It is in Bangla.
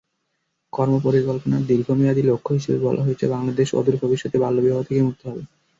কর্মপরিকল্পনার দীর্ঘমেয়াদি লক্ষ্য হিসেবে বলা হয়েছে, বাংলাদেশ অদূর ভবিষ্যতে বাল্যবিবাহ থেকে মুক্ত হবে।